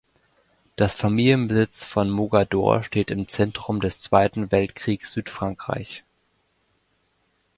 Das Familienbesitz von Mogador steht im Zentrum des Zweiten Weltkriegs Südfrankreich.